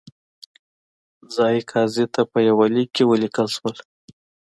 ځايي قاضي ته په یوه لیک کې ولیکل شول.